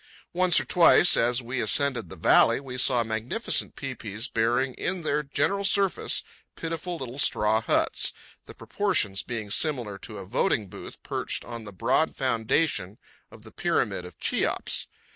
Once or twice, as we ascended the valley, we saw magnificent pae paes bearing on their general surface pitiful little straw huts, the proportions being similar to a voting booth perched on the broad foundation of the Pyramid of Cheops.